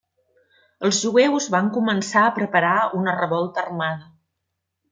Els jueus van començar a preparar una revolta armada.